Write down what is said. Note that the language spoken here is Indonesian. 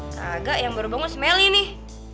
ngga yang baru bangun si meli nih